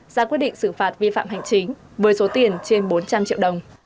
ra quyết định xử phạt vi phạm hành chính với số tiền trên bốn trăm linh triệu đồng